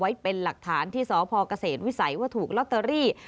ไว้เป็นหลักฐานที่สพเกษตรวิสัยว่าถูกลอตเตอรี่